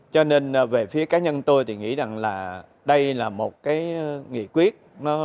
cho nên về phía cá nhân tôi thì nghĩ rằng là đây là một cái nghị quyết